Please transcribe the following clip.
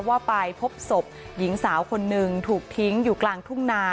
ว่าไปพบศพหญิงสาวคนหนึ่งถูกทิ้งอยู่กลางทุ่งนา